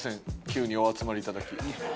急にお集まりいただき。